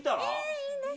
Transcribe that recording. いいんですか？